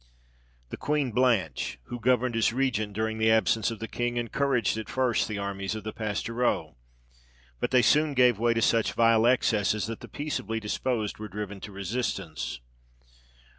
The Queen Blanche, who governed as regent during the absence of the king, encouraged at first the armies of the pastoureaux; but they soon gave way to such vile excesses that the peaceably disposed were driven to resistance.